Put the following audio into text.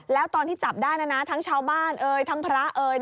แล้วตอนที่จับได้ทั้งชาวบ้านเอ่ยทั้งพระเอ๋ย